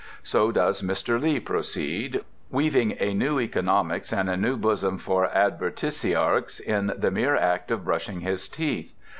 So does Mr. Lee proceed, weaving a new economics and a new bosom for advertisiarchs in the mere act of brushing his teeth.